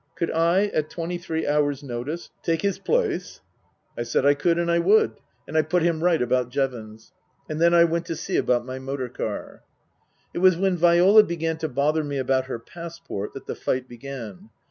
Could I, at twenty three hours' notice, take his place ? I said I could and I would, and I put him right about Jevons. And then I went to see about my motor car. It was when Viola began to bother me about her passport that the fight began.